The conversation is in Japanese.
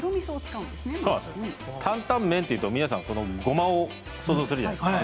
タンタン麺っていうとごまを想像するじゃないですか。